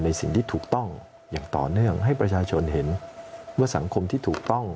ในสิ่งที่ถูกต้องอย่างต่อเนื่องให้ประชาชนเห็นว่าสังคมที่ถูกต้อง